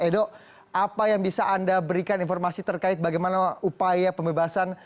edo apa yang bisa anda berikan informasi terkait bagaimana upaya pembebasan